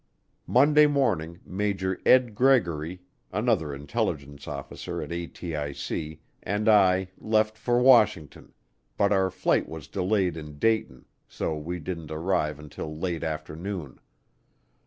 Monday morning Major Ed Gregory, another intelligence officer at ATIC, and I left for Washington, but our flight was delayed in Dayton so we didn't arrive until late afternoon.